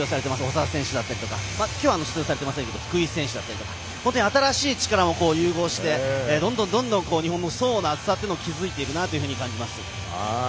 長田選手ですとか今日は出場されていませんが福井選手だったり新しい力も融合してどんどん日本の層の厚さを築いているなと感じています。